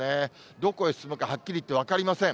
どこへ進むかはっきりと分かりません。